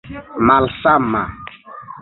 malsama